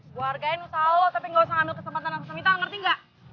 gue hargain lo tau tapi gak usah ngambil kesempatan langsung semita lo ngerti gak